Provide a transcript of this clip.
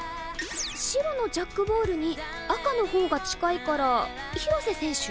白のジャックボールに赤の方が近いから廣瀬選手？